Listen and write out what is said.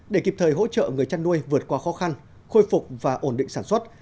để kịp thời hỗ trợ người chăn nuôi vượt qua khó khăn khôi phục và ổn định sản xuất